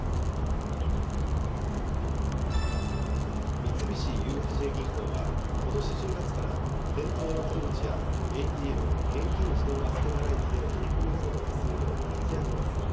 三菱ＵＦＪ銀行は、ことし１０月から店頭の窓口やＡＴＭ・現金自動預け払い機での振り込みなどの手数料を引き上げます。